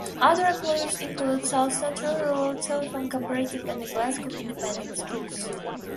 Other employers include South Central Rural Telephone Cooperative and Glasgow Independent Schools.